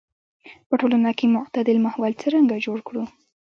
په ټولنه کې معتدل ماحول څرنګه جوړ کړو.